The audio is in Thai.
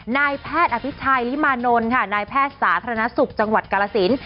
นายแพทย์อภิชัยลิมานนท์ค่ะนายแพทย์สาธารณสุขจังหวัดกาลสิน